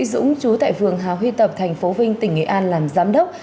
tỉnh sĩ dũng chú tại phường hà huy tập thành phố vinh tỉnh nghệ an làm giám đốc